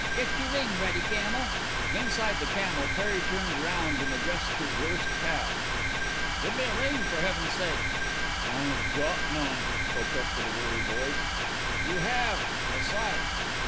"Get you ring ready, camel." Inside the camel Perry turned round and addressed his worse half. "Gimme a ring, for Heaven's sake!" "I ain't got none," protested a weary voice. "You have. I saw it."